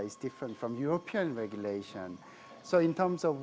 berbeda dengan peraturan di eropa